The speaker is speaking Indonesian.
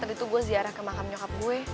tadi tuh gue ziarah ke makam nyokap gue